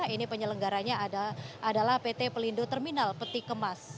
ini penyelenggaranya adalah pt pelindo terminal peti kemas